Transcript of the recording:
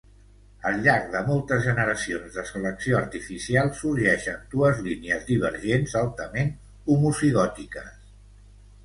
Al llarg de moltes generacions de selecció artificial sorgeixen dues línies divergents altament homozigòtiques.